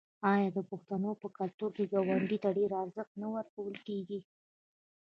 آیا د پښتنو په کلتور کې ګاونډي ته ډیر ارزښت نه ورکول کیږي؟